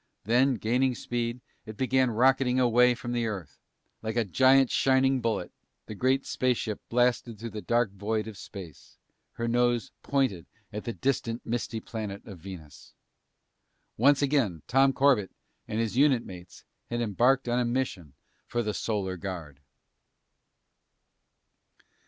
Then, gaining speed, it began rocketing away from the Earth. Like a giant shining bullet, the great spaceship blasted through the dark void of space, her nose pointed to the distant misty planet of Venus. Once again Tom Corbett and his unit mates had embarked on a mission for the Solar Guard.